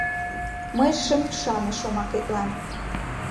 Мый шым ÿшане шомакетлан